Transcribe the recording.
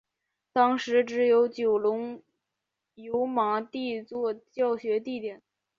当时只有九龙油麻地作教学地点。